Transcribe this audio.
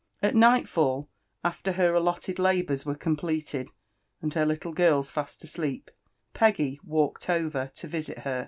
At nighl fall, after her allotted labours were completed and her little girls fast asleep, Poggy walked over lo visit her.